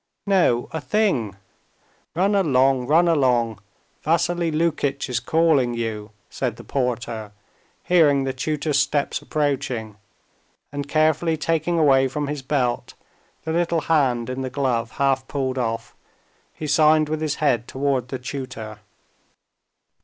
"No, a thing. Run along, run along, Vassily Lukitch is calling you," said the porter, hearing the tutor's steps approaching, and carefully taking away from his belt the little hand in the glove half pulled off, he signed with his head towards the tutor.